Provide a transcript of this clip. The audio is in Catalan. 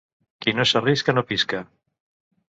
Qui no s'arrisca, no pisca.